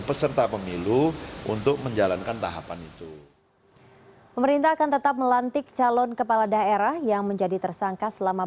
pemerintah akan tetap melantik calon kepala daerah yang menjadi tersangka selama beliau